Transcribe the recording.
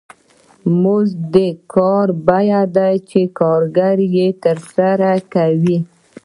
مزد د هغه کار بیه ده چې کارګر یې ترسره کوي